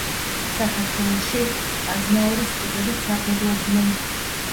საქართველოში აზნაურის ტიტულით სარგებლობდნენ.